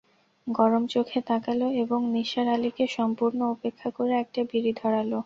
গরম চোখে তাকাল এবং নিসার আলিকে সম্পূর্ণ উপেক্ষা করে একটা বিড়ি ধরাল।